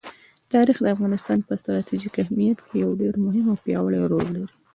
تاریخ د افغانستان په ستراتیژیک اهمیت کې یو ډېر مهم او پیاوړی رول لري.